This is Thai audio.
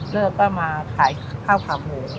เลิกก็มาขายข้าวขาหมู